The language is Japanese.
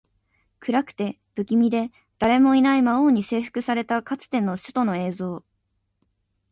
暗くて、不気味で、誰もいない魔王に征服されたかつての首都の映像